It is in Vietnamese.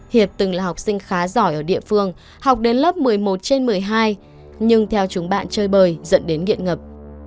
hiệp từng là học sinh khá giỏi ở địa phương học đến lớp một mươi một trên một mươi hai nhưng theo chúng bạn chơi bời dẫn đến nghiện ngập